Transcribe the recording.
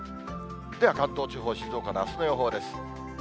では関東地方、静岡のあすの予報です。